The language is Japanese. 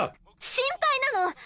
心配なの！